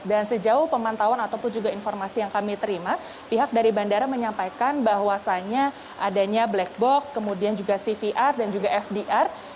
dan sejauh pemantauan ataupun juga informasi yang kami terima pihak dari bandara menyampaikan bahwasanya adanya black box kemudian juga cvr dan juga fdr